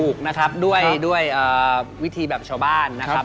ถูกนะครับด้วยวิธีแบบชาวบ้านนะครับ